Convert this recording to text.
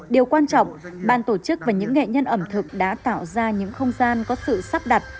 điều quan trọng ban tổ chức và những nghệ nhân ẩm thực đã tạo ra những không gian có sự sắp đặt